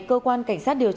cơ quan cảnh sát